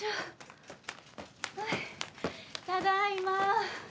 ただいま。